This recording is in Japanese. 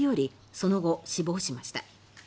その後、死亡しました。